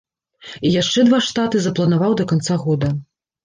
І яшчэ два штаты запланаваў да канца года.